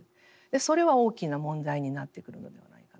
それは大きな問題になってくるのではないかなと。